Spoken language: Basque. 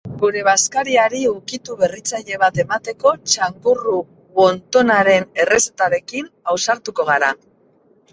Gure bazkariari ukitu berritzaile bat emateko, txangurru wontonaren errezetarekin ausartuko gara.